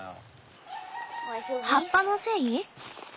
葉っぱのせい？